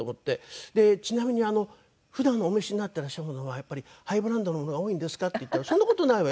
「ちなみに普段お召しになってらっしゃるものはやっぱりハイブランドのものが多いんですか？」って言ったら「そんな事ないわよ。